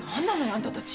あんたたち。